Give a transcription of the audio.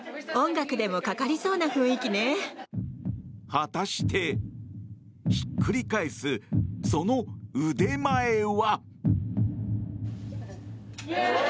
果たして、ひっくり返すその腕前は？